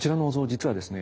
実はですね